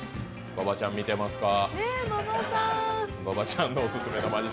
馬場ちゃん見てますか？